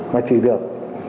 mà chỉ được